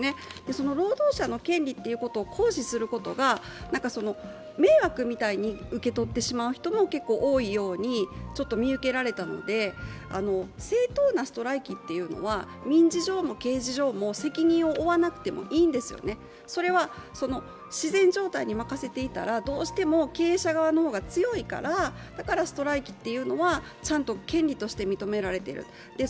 その労働者の権利を行使することが迷惑みたいに受け取ってしまう人も結構多いように見受けられたので、正当なストライキというのは民事上も刑事上も責任を負わなくてもいいんですよね。それは自然状態に任せていたらどうしても経営者側の方が強いから、ストライキというのはちゃんと権利として認められている。